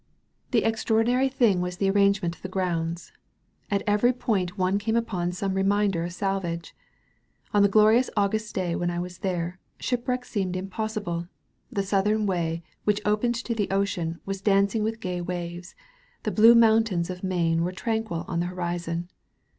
The extraordinary thing was the arrangement of the grounds. At every point one came upon some reminder of salvage. On the glorious August day when I was there, shipwreck seemed impossible: the Southern Way which opened to the Ocean was dancing with gay waves; the blue mountains of Maine were tranquil on the horizon.